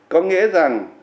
có nghĩa rằng